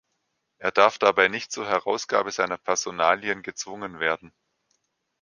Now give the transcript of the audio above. Er darf dabei nicht zur Herausgabe seiner Personalien gezwungen werden.